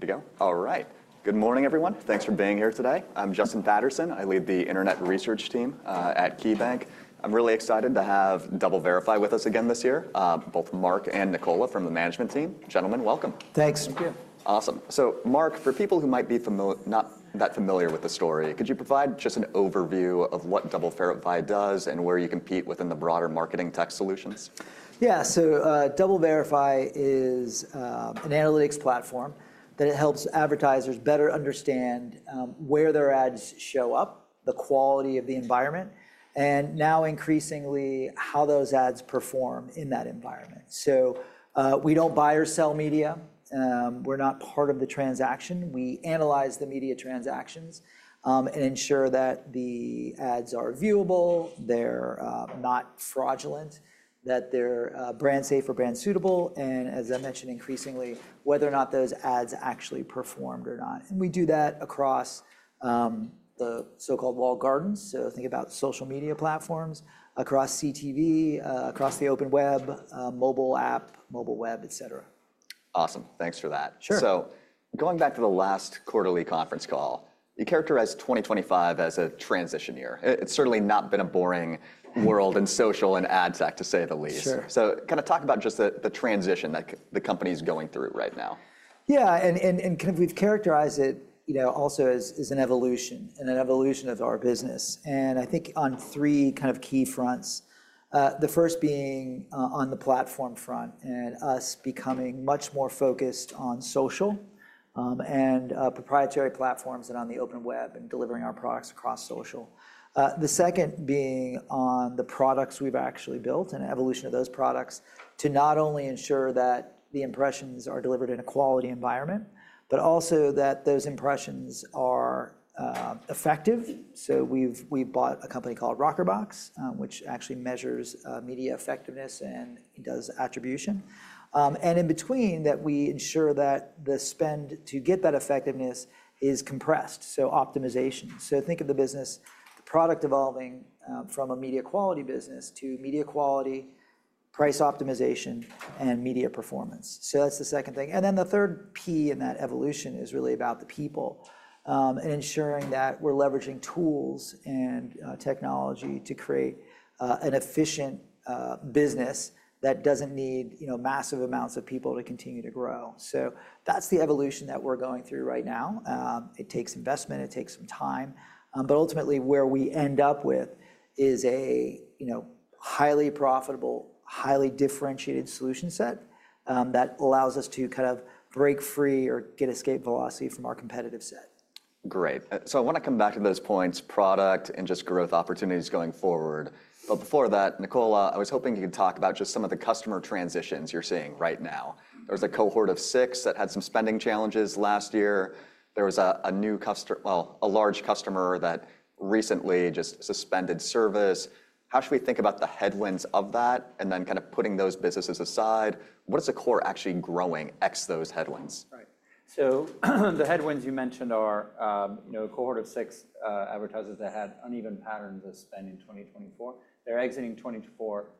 Good to go. All right. Good morning, everyone. Thanks for being here today. I'm Justin Patterson. I lead the Internet Research Team at KeyBank. I'm really excited to have DoubleVerify with us again this year, both Mark and Nicola from the management team. Gentlemen, welcome. Thanks. Thank you. Awesome. So, Mark, for people who might be not that familiar with the story, could you provide just an overview of what DoubleVerify does and where you compete within the broader marketing tech solutions? Yeah. So DoubleVerify is an analytics platform that helps advertisers better understand where their ads show up, the quality of the environment, and now increasingly how those ads perform in that environment. So we don't buy or sell media. We're not part of the transaction. We analyze the media transactions and ensure that the ads are viewable, they're not fraudulent, that they're brand safe or brand suitable, and, as I mentioned, increasingly whether or not those ads actually performed or not. And we do that across the so-called walled gardens. So think about social media platforms, across CTV, across the open web, mobile app, mobile web, et cetera. Awesome. Thanks for that. Sure. So going back to the last quarterly conference call, you characterized 2025 as a transition year. It's certainly not been a boring world in social and ad tech, to say the least. Sure. So kind of talk about just the transition that the company is going through right now. Yeah, and kind of we've characterized it also as an evolution, an evolution of our business, and I think on three kind of key fronts, the first being on the platform front and us becoming much more focused on social and proprietary platforms and on the open web and delivering our products across social, the second being on the products we've actually built and evolution of those products to not only ensure that the impressions are delivered in a quality environment, but also that those impressions are effective, so we've bought a company called Rockerbox, which actually measures media effectiveness and does attribution, and in between, that we ensure that the spend to get that effectiveness is compressed, so optimization, so think of the business, the product evolving from a media quality business to media quality, price optimization, and media performance, so that's the second thing. And then the third P in that evolution is really about the people and ensuring that we're leveraging tools and technology to create an efficient business that doesn't need massive amounts of people to continue to grow. So that's the evolution that we're going through right now. It takes investment. It takes some time. But ultimately, where we end up with is a highly profitable, highly differentiated solution set that allows us to kind of break free or get escape velocity from our competitive set. Great. So I want to come back to those points, product and just growth opportunities going forward. But before that, Nicola, I was hoping you could talk about just some of the customer transitions you're seeing right now. There was a cohort of six that had some spending challenges last year. There was a new customer, well, a large customer that recently just suspended service. How should we think about the headwinds of that and then kind of putting those businesses aside? What is the core actually growing ex those headwinds? Right. So the headwinds you mentioned are a cohort of six advertisers that had uneven patterns of spend in 2024. They're exiting 2024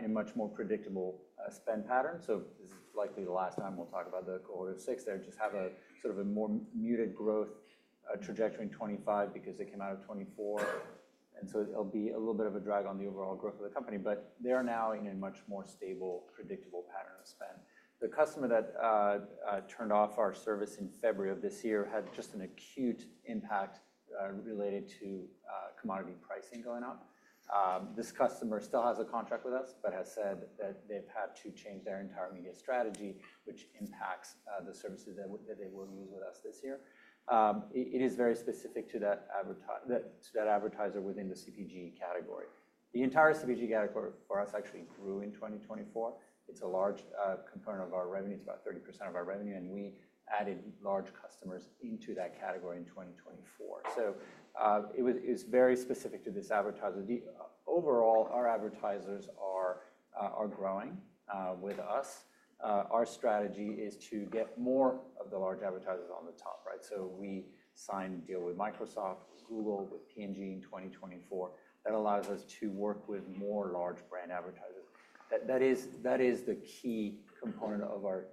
in a much more predictable spend pattern. So this is likely the last time we'll talk about the cohort of six. They just have a sort of a more muted growth trajectory in 2025 because they came out of 2024. And so it'll be a little bit of a drag on the overall growth of the company. But they are now in a much more stable, predictable pattern of spend. The customer that turned off our service in February of this year had just an acute impact related to commodity pricing going up. This customer still has a contract with us, but has said that they've had to change their entire media strategy, which impacts the services that they will use with us this year. It is very specific to that advertiser within the CPG category. The entire CPG category for us actually grew in 2024. It's a large component of our revenue. It's about 30% of our revenue. And we added large customers into that category in 2024. So it was very specific to this advertiser. Overall, our advertisers are growing with us. Our strategy is to get more of the large advertisers on the top, right? So we signed a deal with Microsoft, Google with P&G in 2024. That allows us to work with more large brand advertisers. That is the key component of our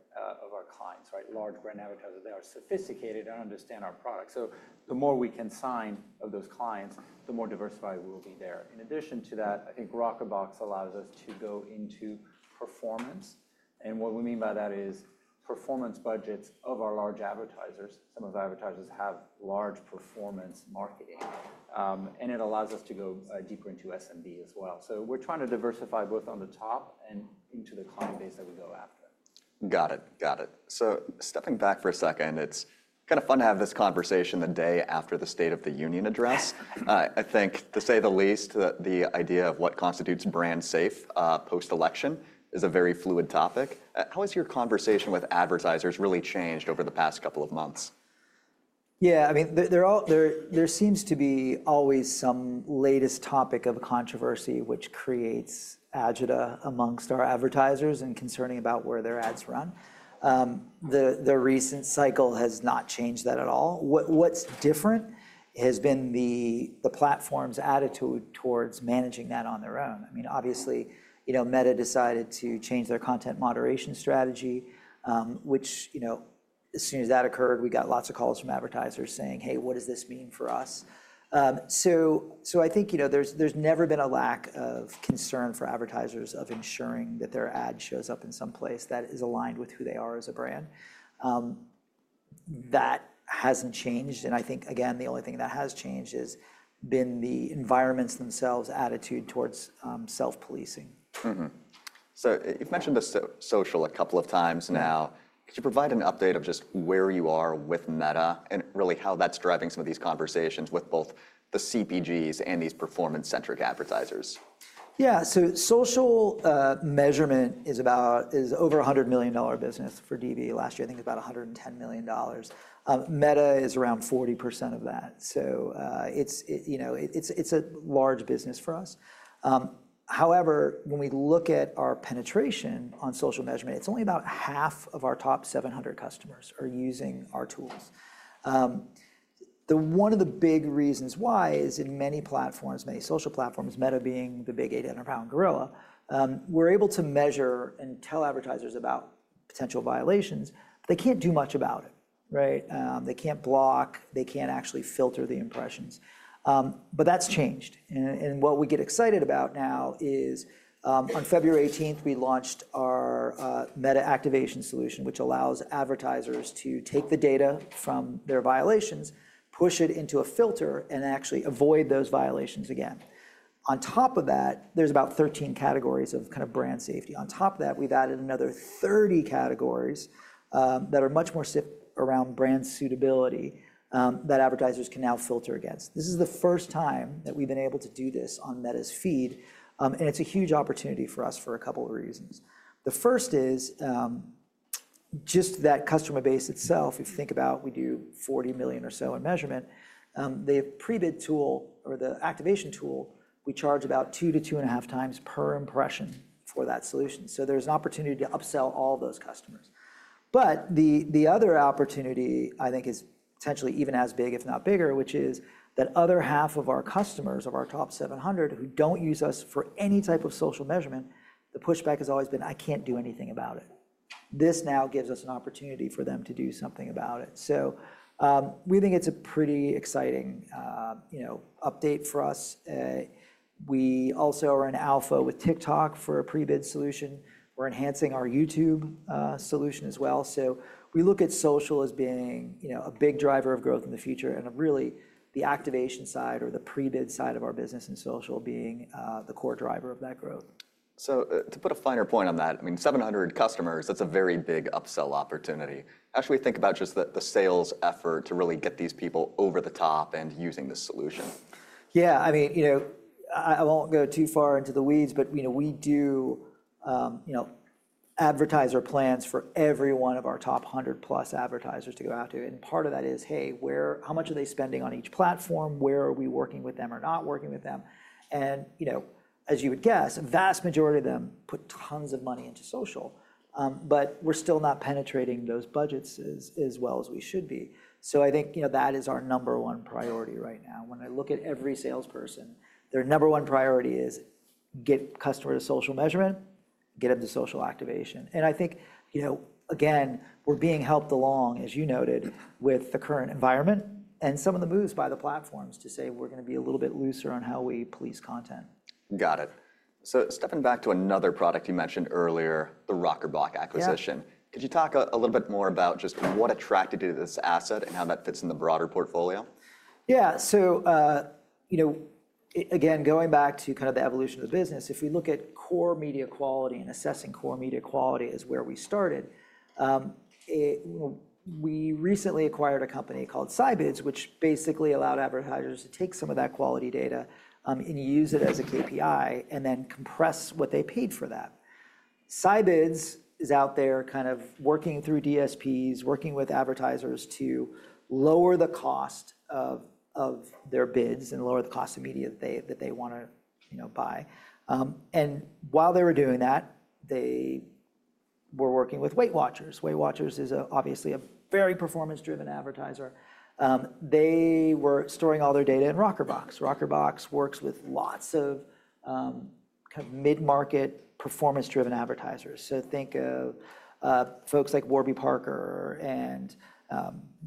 clients, right? Large brand advertisers. They are sophisticated and understand our product. So the more we can sign of those clients, the more diversified we will be there. In addition to that, I think Rockerbox allows us to go into performance. And what we mean by that is performance budgets of our large advertisers. Some of the advertisers have large performance marketing. And it allows us to go deeper into SMB as well. So we're trying to diversify both on the top and into the client base that we go after. Got it. Got it, so stepping back for a second, it's kind of fun to have this conversation the day after the State of the Union address. I think, to say the least, that the idea of what constitutes brand safe post-election is a very fluid topic. How has your conversation with advertisers really changed over the past couple of months? Yeah. I mean, there seems to be always some latest topic of controversy, which creates agita among our advertisers and concerning about where their ads run. The recent cycle has not changed that at all. What's different has been the platform's attitude towards managing that on their own. I mean, obviously, Meta decided to change their content moderation strategy, which as soon as that occurred, we got lots of calls from advertisers saying, "Hey, what does this mean for us?" So I think there's never been a lack of concern for advertisers of ensuring that their ad shows up in some place that is aligned with who they are as a brand. That hasn't changed, and I think, again, the only thing that has changed has been the environments themselves' attitude towards self-policing. So you've mentioned the social a couple of times now. Could you provide an update of just where you are with Meta and really how that's driving some of these conversations with both the CPGs and these performance-centric advertisers? Yeah. So social measurement is over $100 million business for DV last year. I think it's about $110 million. Meta is around 40% of that. So it's a large business for us. However, when we look at our penetration on social measurement, it's only about half of our top 700 customers who are using our tools. One of the big reasons why is in many platforms, many social platforms, Meta being the 800 lbs gorilla, we're able to measure and tell advertisers about potential violations. They can't do much about it, right? They can't block. They can't actually filter the impressions. But that's changed. And what we get excited about now is on February 18, we launched our Meta Activation Solution, which allows advertisers to take the data from their violations, push it into a filter, and actually avoid those violations again. On top of that, there's about 13 categories of kind of brand safety. On top of that, we've added another 30 categories that are much more specific around brand suitability that advertisers can now filter against. This is the first time that we've been able to do this on Meta's feed. And it's a huge opportunity for us for a couple of reasons. The first is just that customer base itself, if you think about, we do $40 million or so in measurement. The pre-bid tool or the activation tool, we charge about two to two and a half times per impression for that solution. So there's an opportunity to upsell all those customers. But the other opportunity, I think, is potentially even as big, if not bigger, which is that other half of our customers of our top 700 who don't use us for any type of social measurement. The pushback has always been, "I can't do anything about it." This now gives us an opportunity for them to do something about it. So we think it's a pretty exciting update for us. We also are in alpha with TikTok for a pre-bid solution. We're enhancing our YouTube solution as well. So we look at social as being a big driver of growth in the future and really the activation side or the pre-bid side of our business in social being the core driver of that growth. So to put a finer point on that, I mean, 700 customers, that's a very big upsell opportunity. How should we think about just the sales effort to really get these people over the top and using the solution? Yeah. I mean, I won't go too far into the weeds, but we do advertiser plans for every one of our top 100+ advertisers to go out to. And part of that is, "Hey, how much are they spending on each platform? Where are we working with them or not working with them?" And as you would guess, a vast majority of them put tons of money into social. But we're still not penetrating those budgets as well as we should be. So I think that is our number one priority right now. When I look at every salesperson, their number one priority is get customers to social measurement, get them to social activation. I think, again, we're being helped along, as you noted, with the current environment and some of the moves by the platforms to say, "We're going to be a little bit looser on how we police content. Got it. So stepping back to another product you mentioned earlier, the Rockerbox acquisition, could you talk a little bit more about just what attracted you to this asset and how that fits in the broader portfolio? Yeah. So again, going back to kind of the evolution of the business, if we look at core media quality and assessing core media quality is where we started, we recently acquired a company called Scibids, which basically allowed advertisers to take some of that quality data and use it as a KPI and then compress what they paid for that. Scibids is out there kind of working through DSPs, working with advertisers to lower the cost of their bids and lower the cost of media that they want to buy, and while they were doing that, they were working with Weight Watchers. Weight Watchers is obviously a very performance-driven advertiser. They were storing all their data in Rockerbox. Rockerbox works with lots of kind of mid-market performance-driven advertisers. Think of folks like Warby Parker and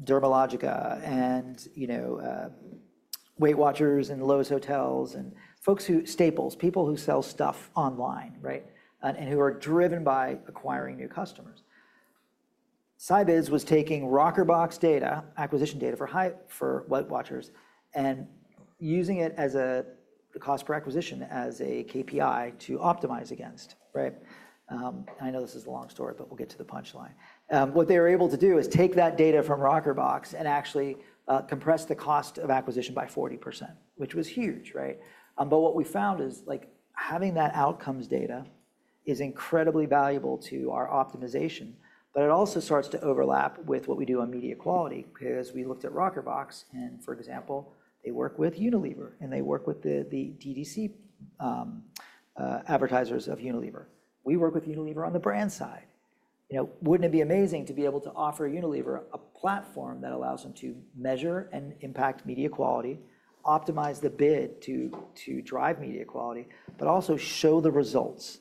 Dermalogica and Weight Watchers and Loews Hotels and Staples, people who sell stuff online, right, and who are driven by acquiring new customers. Scibids was taking Rockerbox data, acquisition data for Weight Watchers, and using it as a cost per acquisition as a KPI to optimize against, right? I know this is a long story, but we'll get to the punchline. What they were able to do is take that data from Rockerbox and actually compress the cost of acquisition by 40%, which was huge, right? But what we found is having that outcomes data is incredibly valuable to our optimization. But it also starts to overlap with what we do on media quality because we looked at Rockerbox. For example, they work with Unilever and they work with the DTC advertisers of Unilever. We work with Unilever on the brand side. Wouldn't it be amazing to be able to offer Unilever a platform that allows them to measure and impact media quality, optimize the bid to drive media quality, but also show the results?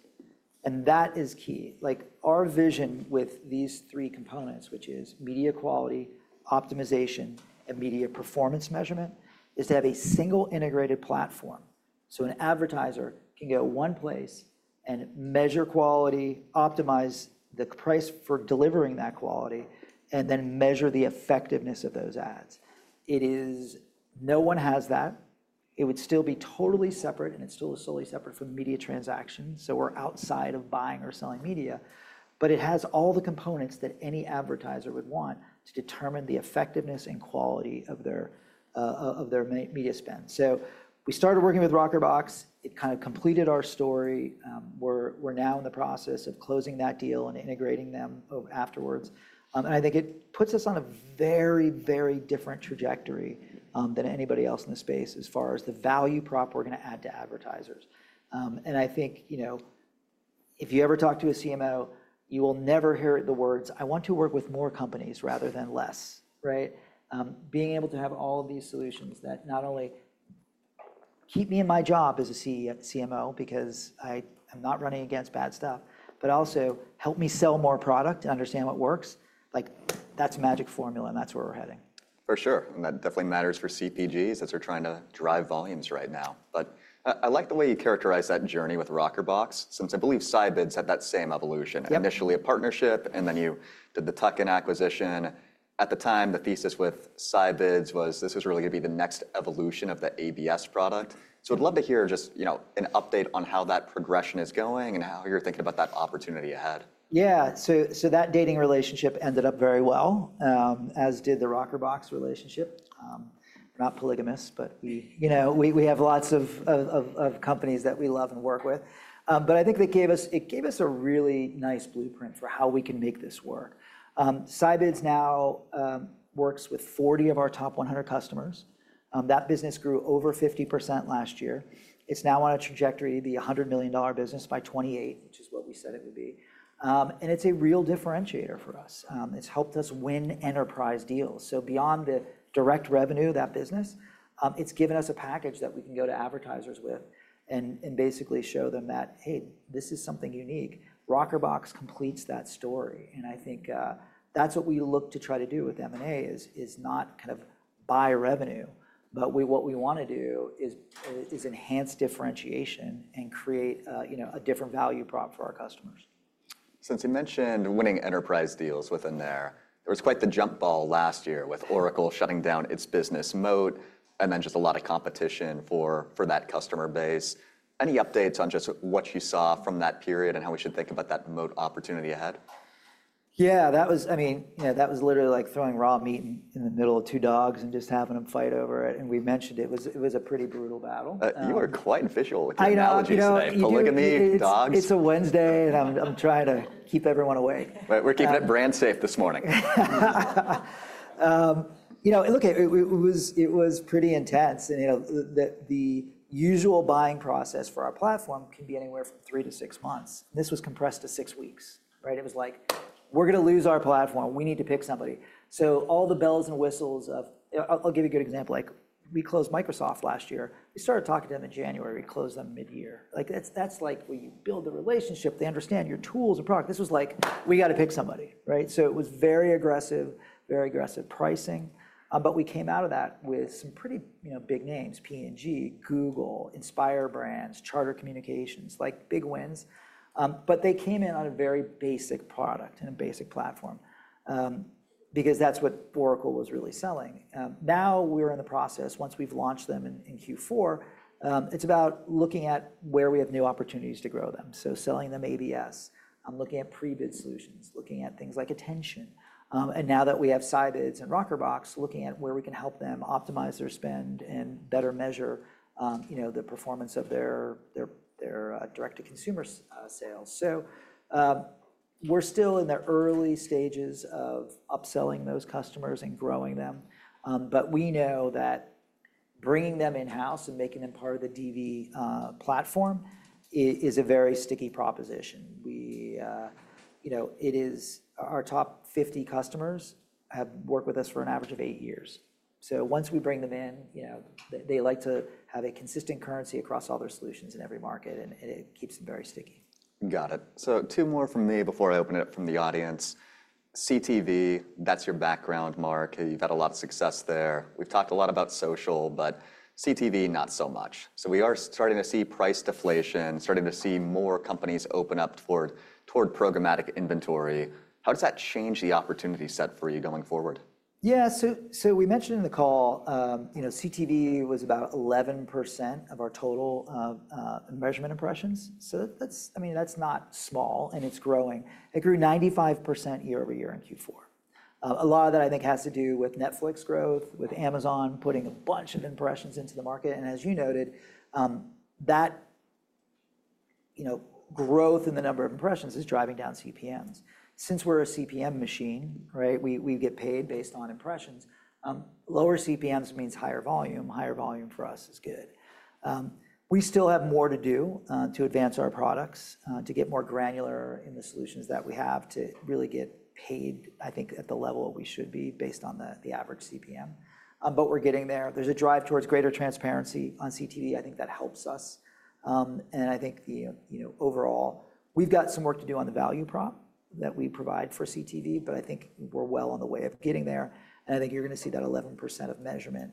And that is key. Our vision with these three components, which is media quality, optimization, and media performance measurement, is to have a single integrated platform so an advertiser can go one place and measure quality, optimize the price for delivering that quality, and then measure the effectiveness of those ads. No one has that. It would still be totally separate, and it's still solely separate from media transactions. So we're outside of buying or selling media. But it has all the components that any advertiser would want to determine the effectiveness and quality of their media spend. So we started working with Rockerbox. It kind of completed our story. We're now in the process of closing that deal and integrating them afterwards. And I think it puts us on a very, very different trajectory than anybody else in the space as far as the value prop we're going to add to advertisers. And I think if you ever talk to a CMO, you will never hear the words, "I want to work with more companies rather than less," right? Being able to have all of these solutions that not only keep me in my job as a CMO because I am not running against bad stuff, but also help me sell more product and understand what works, that's a magic formula, and that's where we're heading. For sure. And that definitely matters for CPGs as they're trying to drive volumes right now. But I like the way you characterize that journey with Rockerbox since I believe Scibids had that same evolution. Initially a partnership, and then you did the Scibids acquisition. At the time, the thesis with Scibids was this was really going to be the next evolution of the ABS product. So I'd love to hear just an update on how that progression is going and how you're thinking about that opportunity ahead. Yeah. So that dating relationship ended up very well, as did the Rockerbox relationship. We're not polygamists, but we have lots of companies that we love and work with. But I think it gave us a really nice blueprint for how we can make this work. Scibids now works with 40 of our top 100 customers. That business grew over 50% last year. It's now on a trajectory to be a $100 million business by 2028, which is what we said it would be. And it's a real differentiator for us. It's helped us win enterprise deals. So beyond the direct revenue of that business, it's given us a package that we can go to advertisers with and basically show them that, "Hey, this is something unique. Rockerbox completes that story, and I think that's what we look to try to do with M&A is not kind of buy revenue, but what we want to do is enhance differentiation and create a different value prop for our customers. Since you mentioned winning enterprise deals within there, there was quite the jump ball last year with Oracle shutting down its business Moat and then just a lot of competition for that customer base. Any updates on just what you saw from that period and how we should think about that Moat opportunity ahead? Yeah. I mean, that was literally like throwing raw meat in the middle of two dogs and just having them fight over it. And we mentioned it was a pretty brutal battle. You are quite official with your analogies today. Look at me, dogs. It's a Wednesday, and I'm trying to keep everyone awake. We're keeping it brand safe this morning. Look, it was pretty intense, and the usual buying process for our platform can be anywhere from three to six months, and this was compressed to six weeks, right? It was like, "We're going to lose our platform. We need to pick somebody," so all the bells and whistles off. I'll give you a good example. We closed Microsoft last year. We started talking to them in January. We closed them mid-year. That's like where you build the relationship. They understand your tools and product. This was like, "We got to pick somebody," right, so it was very aggressive, very aggressive pricing, but we came out of that with some pretty big names, P&G, Google, Inspire Brands, Charter Communications, like big wins, but they came in on a very basic product and a basic platform because that's what Oracle was really selling. Now we're in the process, once we've launched them in Q4, it's about looking at where we have new opportunities to grow them, so selling them ABS, looking at pre-bid solutions, looking at things like attention, and now that we have Scibids and Rockerbox, looking at where we can help them optimize their spend and better measure the performance of their direct-to-consumer sales, so we're still in the early stages of upselling those customers and growing them, but we know that bringing them in-house and making them part of the DV platform is a very sticky proposition. Our top 50 customers have worked with us for an average of eight years, so once we bring them in, they like to have a consistent currency across all their solutions in every market, and it keeps them very sticky. Got it. So two more from me before I open it up from the audience. CTV, that's your background, Mark. You've had a lot of success there. We've talked a lot about social, but CTV, not so much. So we are starting to see price deflation, starting to see more companies open up toward programmatic inventory. How does that change the opportunity set for you going forward? Yeah. So we mentioned in the call, CTV was about 11% of our total measurement impressions. So I mean, that's not small, and it's growing. It grew 95% year over year in Q4. A lot of that, I think, has to do with Netflix growth, with Amazon putting a bunch of impressions into the market. And as you noted, that growth in the number of impressions is driving down CPMs. Since we're a CPM machine, right, we get paid based on impressions. Lower CPMs means higher volume. Higher volume for us is good. We still have more to do to advance our products, to get more granular in the solutions that we have to really get paid, I think, at the level we should be based on the average CPM. But we're getting there. There's a drive towards greater transparency on CTV. I think that helps us. I think overall, we've got some work to do on the value prop that we provide for CTV, but I think we're well on the way of getting there. I think you're going to see that 11% of measurement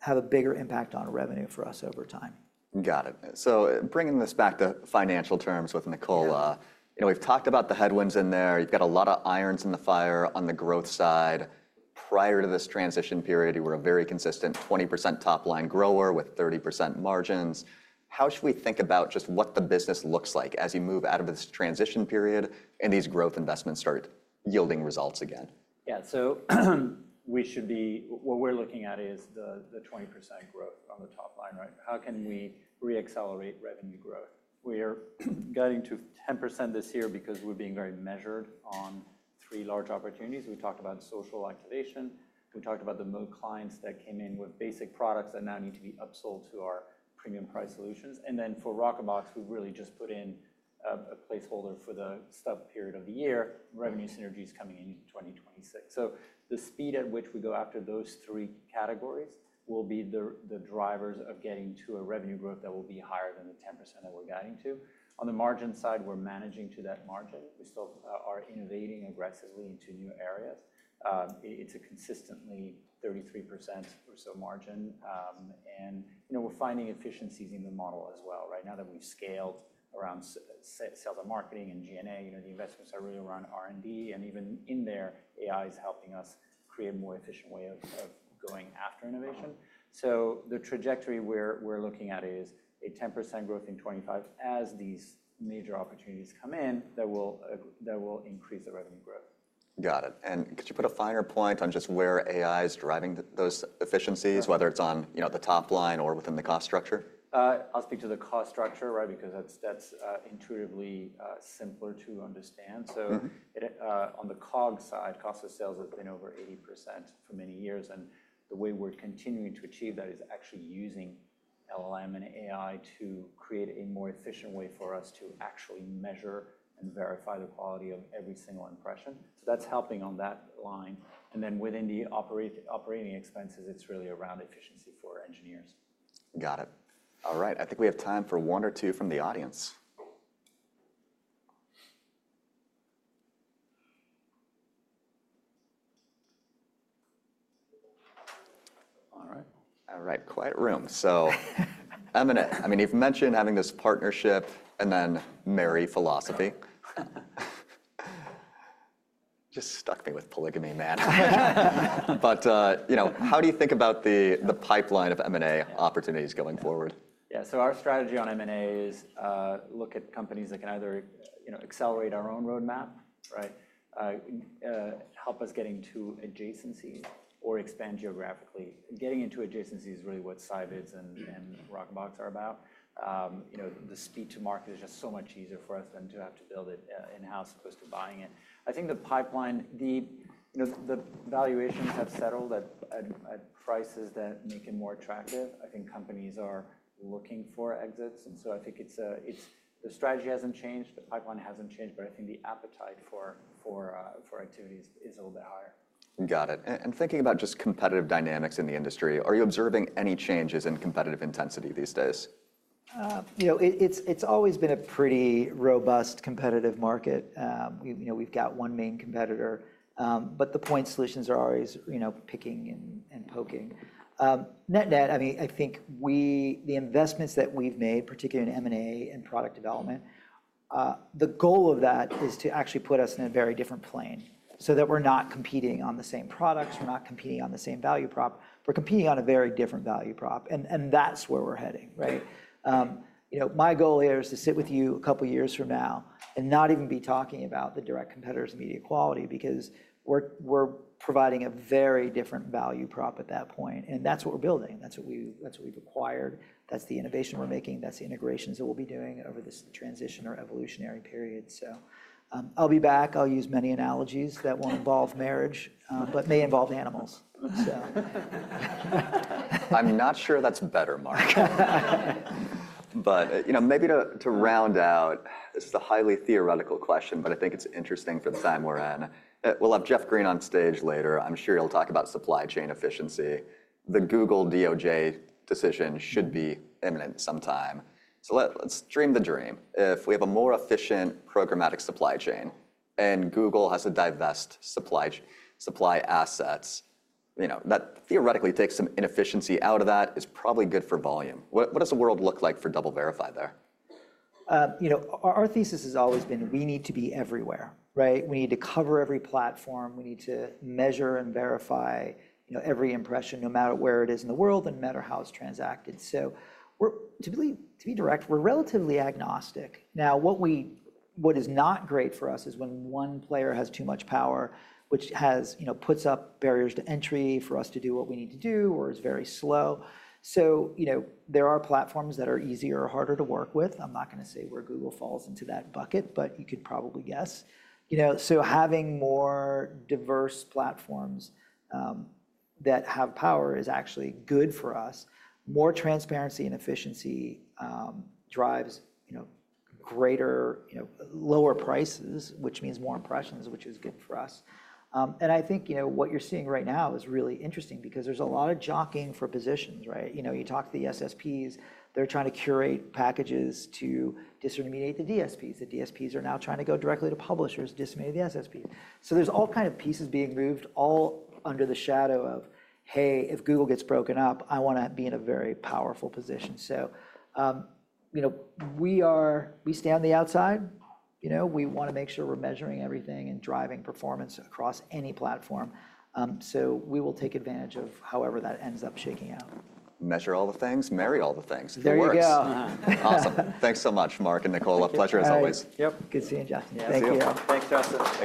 have a bigger impact on revenue for us over time. Got it. So bringing this back to financial terms with Nicola, we've talked about the headwinds in there. You've got a lot of irons in the fire on the growth side. Prior to this transition period, you were a very consistent 20% top-line grower with 30% margins. How should we think about just what the business looks like as you move out of this transition period and these growth investments start yielding results again? Yeah. So what we're looking at is the 20% growth on the top line, right? How can we re-accelerate revenue growth? We are getting to 10% this year because we're being very measured on three large opportunities. We talked about social activation. We talked about the Moat clients that came in with basic products that now need to be upsold to our premium-priced solutions. And then for Rockerbox, we've really just put in a placeholder for the stub period of the year. Revenue synergy is coming in 2026. So the speed at which we go after those three categories will be the drivers of getting to a revenue growth that will be higher than the 10% that we're getting to. On the margin side, we're managing to that margin. We still are innovating aggressively into new areas. It's a consistently 33% or so margin. We're finding efficiencies in the model as well, right? Now that we've scaled around sales and marketing and G&A, the investments are really around R&D. Even in there, AI is helping us create a more efficient way of going after innovation. The trajectory we're looking at is a 10% growth in 2025 as these major opportunities come in that will increase the revenue growth. Got it. And could you put a finer point on just where AI is driving those efficiencies, whether it's on the top line or within the cost structure? I'll speak to the cost structure, right, because that's intuitively simpler to understand. So on the COGS side, cost of sales has been over 80% for many years. And the way we're continuing to achieve that is actually using LLM and AI to create a more efficient way for us to actually measure and verify the quality of every single impression. And then within the operating expenses, it's really around efficiency for engineers. Got it. All right. I think we have time for one or two from the audience. All right. Quiet room. So I mean, you've mentioned having this partnership and then M&A philosophy. Just struck me with polygamy, man. But how do you think about the pipeline of M&A opportunities going forward? Yeah, so our strategy on M&A is look at companies that can either accelerate our own roadmap, right, help us get into adjacencies, or expand geographically. Getting into adjacency is really what Scibids and Rockerbox are about. The speed to market is just so much easier for us than to have to build it in-house as opposed to buying it. I think the pipeline, the valuations have settled at prices that make it more attractive. I think companies are looking for exits, and so I think the strategy hasn't changed. The pipeline hasn't changed, but I think the appetite for activities is a little bit higher. Got it. And thinking about just competitive dynamics in the industry, are you observing any changes in competitive intensity these days? It's always been a pretty robust competitive market. We've got one main competitor, but the point solutions are always picking and poking. Net net, I mean, I think the investments that we've made, particularly in M&A and product development, the goal of that is to actually put us in a very different plane so that we're not competing on the same products. We're not competing on the same value prop. We're competing on a very different value prop. And that's where we're heading, right? My goal here is to sit with you a couple of years from now and not even be talking about the direct competitor's immediate quality because we're providing a very different value prop at that point. And that's what we're building. That's what we've acquired. That's the innovation we're making. That's the integrations that we'll be doing over this transition or evolutionary period. So I'll be back. I'll use many analogies that won't involve marriage, but may involve animals, so. I'm not sure that's better, Mark. But maybe to round out, this is a highly theoretical question, but I think it's interesting for the time we're in. We'll have Jeff Green on stage later. I'm sure he'll talk about supply chain efficiency. The Google DOJ decision should be imminent sometime. So let's dream the dream. If we have a more efficient programmatic supply chain and Google has to divest supply assets, that theoretically takes some inefficiency out of that, is probably good for volume. What does the world look like for DoubleVerify there? Our thesis has always been we need to be everywhere, right? We need to cover every platform. We need to measure and verify every impression, no matter where it is in the world and no matter how it's transacted. So to be direct, we're relatively agnostic. Now, what is not great for us is when one player has too much power, which puts up barriers to entry for us to do what we need to do or is very slow. So there are platforms that are easier or harder to work with. I'm not going to say where Google falls into that bucket, but you could probably guess. So having more diverse platforms that have power is actually good for us. More transparency and efficiency drives greater, lower prices, which means more impressions, which is good for us. And I think what you're seeing right now is really interesting because there's a lot of jockeying for positions, right? You talk to the SSPs. They're trying to curate packages to disintermediate the DSPs. The DSPs are now trying to go directly to publishers to disintermediate the SSPs. So there's all kinds of pieces being moved all under the shadow of, hey, if Google gets broken up, I want to be in a very powerful position. So we stand on the outside. We want to make sure we're measuring everything and driving performance across any platform. So we will take advantage of however that ends up shaking out. Measure all the things, marry all the things. There we go. Awesome. Thanks so much, Mark and Nicola. Pleasure as always. Yep. Good seeing you, Jeff. Thank you. Thanks, Justin.